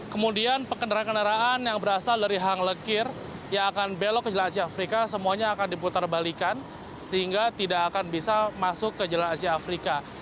kemudian kendaraan kendaraan yang berasal dari hang lekir yang akan belok ke jalan asia afrika semuanya akan diputar balikan sehingga tidak akan bisa masuk ke jalan asia afrika